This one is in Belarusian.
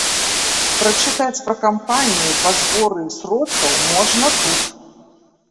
Прачытаць пра кампанію па зборы сродкаў можна тут.